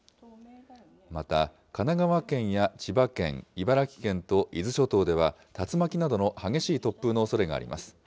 また神奈川県や千葉県、茨城県と伊豆諸島では竜巻などの激しい突風のおそれがあります。